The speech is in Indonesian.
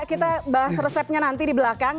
kita bahas resepnya nanti di belakang